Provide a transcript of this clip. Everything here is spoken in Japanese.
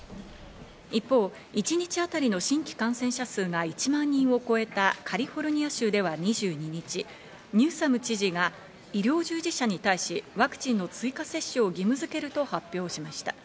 一方、一日当たりの新規感染者数が１万人を超えたカリフォルニア州では２２日、ニューサム知事が医療従事者に対し、ワクチンの追加接種を義務づけると発表しました。